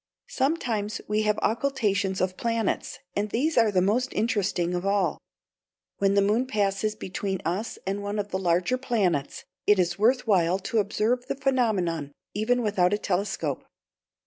Sometimes we have occultations of planets, and these are the most interesting of all. When the moon passes between us and one of the larger planets, it is worth while to observe the phenomenon even without a telescope.